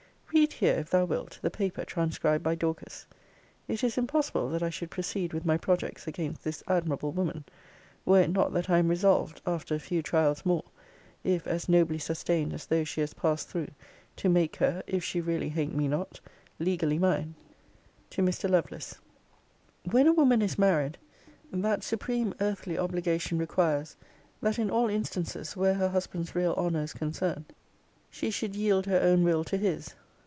Read here, if thou wilt, the paper transcribed by Dorcas. It is impossible that I should proceed with my projects against this admirable woman, were it not that I am resolved, after a few trials more, if as nobly sustained as those she has passed through, to make her (if she really hate me not) legally mine. TO MR. LOVELACE 'When a woman is married, that supreme earthly obligation requires, that in all instances, where her husband's real honour is concerned, she should yield her own will to his.